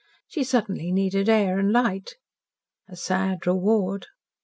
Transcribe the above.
She suddenly needed air and light. "A sad reward!"